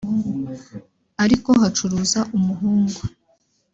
ariko hacuruza umuhungu